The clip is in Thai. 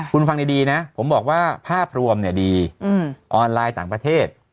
คุณฟังดีนะผมบอกว่าภาพรวมดีออนไลน์ต่างประเทศ